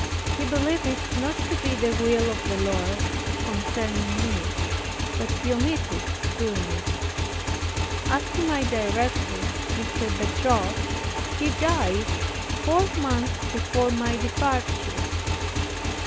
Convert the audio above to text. He believed it not to be the will of the Lord concerning me; but he omitted doing it. As to my director, M. Bertot, he died four months before my departure.